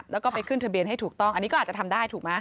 แล้วก็ไปขึ้นทะเบียนให้ถูกต้องอันนี้ก็อาจจะทำได้ถูกไหม